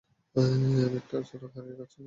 আমি একটা ছোট্ট খাড়ির খোঁজ জানি।